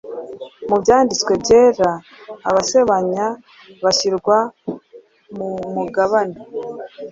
Mu Byanditswe Byera, abasebanya bashyirwa mu mugabane